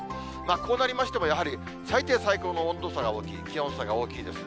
こうなりましても、やはり最低最高の温度差が大きい、気温差が大きいですね。